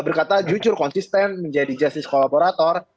berkata jujur konsisten menjadi justice kolaborator